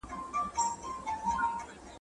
ارمانونه یې ګورته وړي دي ,